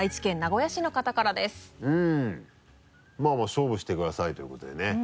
「勝負してください！」ということでね。